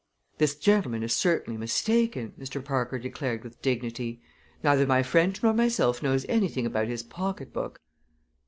"This gentleman is certainly mistaken," Mr. Parker declared with dignity. "Neither my friend nor myself knows anything about his pocketbook."